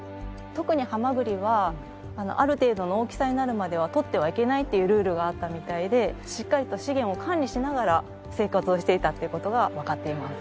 特にハマグリはある程度の大きさになるまでは取ってはいけないというルールがあったみたいでしっかりと資源を管理しながら生活をしていたという事がわかっています。